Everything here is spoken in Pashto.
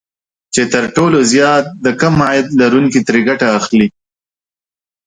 چې تر ټولو زيات د کم عاید لرونکي ترې ګټه اخلي